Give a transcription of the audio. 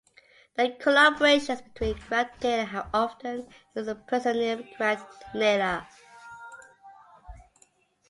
The collaborations between Grant and Naylor have often used the pseudonym Grant Naylor.